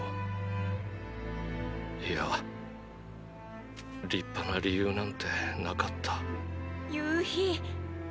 いや立派な理由なんてなかった・夕陽！